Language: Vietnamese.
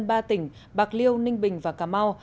ba tỉnh bạc liêu ninh bình và cà mau